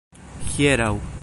hieraŭ